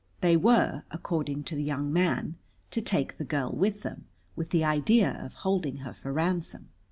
They were, according to the young man, to take the girl with them, with the idea of holding her for ransom.